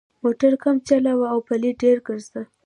موټر کم چلوه او پلي ډېر ګرځه.